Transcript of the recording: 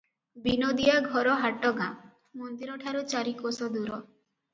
ବିନୋଦିଆ ଘର ହାଟଗାଁ, ମନ୍ଦିର ଠାରୁ ଚାରି କୋଶ ଦୂର ।